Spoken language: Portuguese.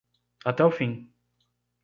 Até o fim